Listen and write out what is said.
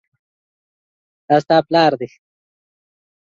دا ستا پلار دی؟